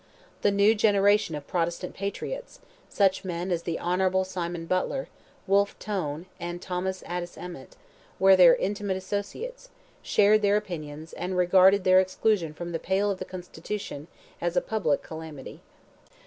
The new generation of Protestant patriots—such men as the Hon. Simon Butler, Wolfe Tone, and Thomas Addis Emmet, were their intimate associates, shared their opinions, and regarded their exclusion from the pale of the constitution as a public calamity.